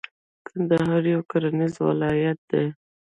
کندهار یو کرنیز ولایت دی.